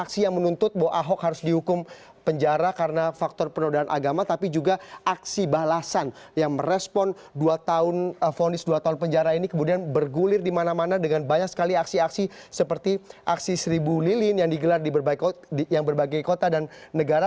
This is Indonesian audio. seperti aksi seribu lilin yang digelar di berbagai kota dan negara